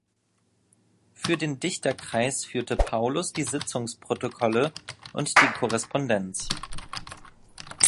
Für den Dichterkreis führte Paulus die Sitzungsprotokolle und die Korrespondenz.